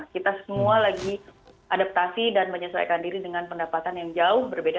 kita semua lagi adaptasi dan menyesuaikan diri dengan pendapatan yang jauh berbeda